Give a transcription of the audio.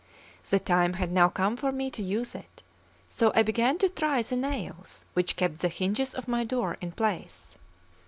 The time had now come for me to use it; so I began to try the nails which kept the hinges of my door in place.